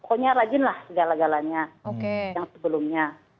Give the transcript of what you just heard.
pokoknya rajinlah segala galanya yang sebelumnya